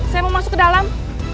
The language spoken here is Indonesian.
saya mau masuk ke dalam